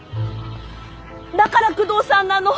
だから久遠さんなの！